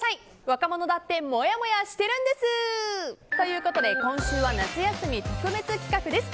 若者だってもやもやしてるんです！ということで今週は夏休み特別企画です。